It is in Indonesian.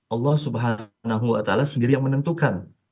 allah subhanahu wa ta ala sendiri yang menentukan